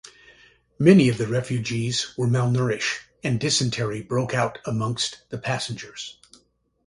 Many of the refugees were malnourished and dysentery broke out amongst the passengers.